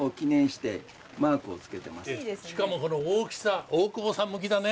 しかもこの大きさ大久保さん向きだね。